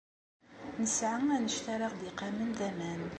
Nesɛa anect ara aɣ-d-iqamen d aman.